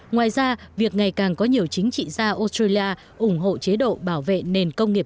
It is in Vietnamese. ngoài ra việc ngày càng có nhiều chính trị gia australia ủng hộ chế độ bảo vệ nền công nghiệp